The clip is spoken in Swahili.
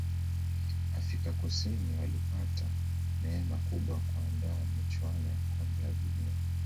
afika kusini walipata neeme kubwa ya kuandaa michuano ya kombe la dunia